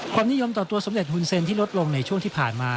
ความนิยมต่อตัวสำเร็จหุ่นเซ็นที่ลดลงในช่วงที่ผ่านมา